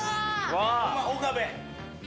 岡部。